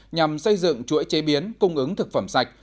nhằm xây dựng chuỗi chế biến cung ứng thực phẩm sạch